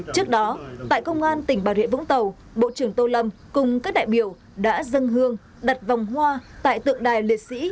trước đó tại công an tỉnh bà rịa vũng tàu bộ trưởng tô lâm cùng các đại biểu đã dâng hương đặt vòng hoa tại tượng đài liệt sĩ